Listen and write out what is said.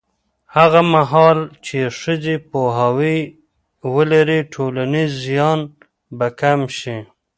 هغه مهال چې ښځې پوهاوی ولري، ټولنیز زیان به کم شي.